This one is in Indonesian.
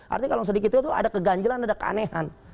artinya kalau sedikit itu ada keganjelan ada keanehan